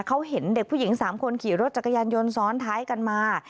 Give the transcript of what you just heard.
เขาเห็นเด็กผู้หญิง๓คนขี่รถจักรยานยนต์ซ้อนท้ายกันมา